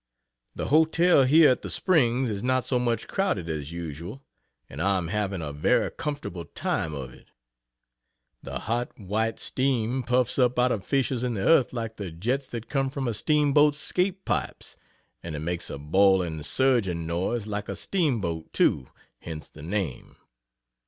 The hotel here at the Springs is not so much crowded as usual, and I am having a very comfortable time of it. The hot, white steam puffs up out of fissures in the earth like the jets that come from a steam boat's 'scape pipes, and it makes a boiling, surging noise like a steam boat, too hence the name.